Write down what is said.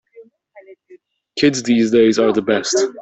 Kids these days are the best.